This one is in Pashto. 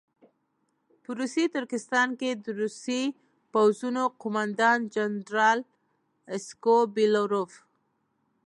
په روسي ترکستان کې د روسي پوځونو قوماندان جنرال سکوبیلروف.